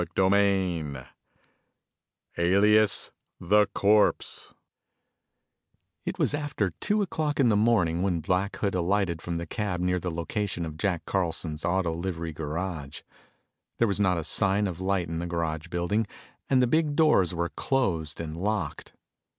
CHAPTER IX Alias, The Corpse It was after two o'clock in the morning when Black Hood alighted from the cab near the location of Jack Carlson's auto livery garage. There was not a sign of light in the garage building, and the big doors were closed and locked.